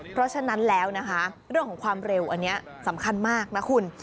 เพราะฉะนั้นแล้วนะคะเรื่องของความเร็วอันนี้สำคัญมากนะคุณ